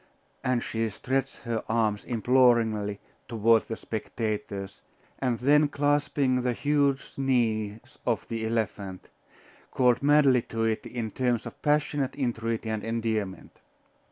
And she stretched her arms imploringly toward the spectators, and then clasping the huge knees of the elephant, called madly to it in terms of passionate entreaty and endearment.